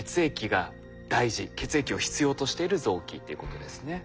血液を必要としている臓器っていうことですね。